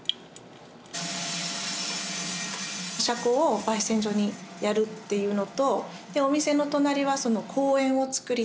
車庫をばい煎所にやるっていうのとお店の隣は公園をつくりたい。